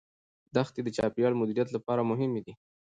دښتې د چاپیریال مدیریت لپاره مهمې دي.